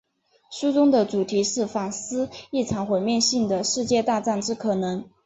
书中的主题是反思一场毁灭性的世界大战之可能。